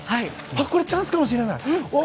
これ、チャンスかもしれない。